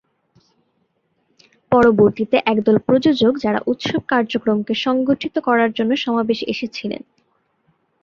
পরবর্তীতে একদল প্রযোজক যারা উৎসব কার্যক্রমকে সংগঠিত করার জন্য সমাবেশে এসেছিলেন।